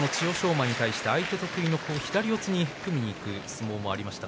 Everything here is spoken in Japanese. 馬に対して相手得意の左四つに組みにいく相撲がありました。